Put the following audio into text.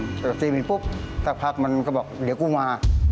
ตรงที่มีปุ๊บสักพักมันก็บอกเดี๋ยวกูมา